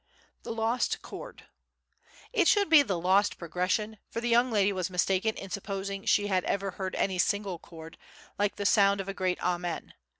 "The Lost Chord" It should be "The Lost Progression," for the young lady was mistaken in supposing she had ever heard any single chord "like the sound of a great Amen."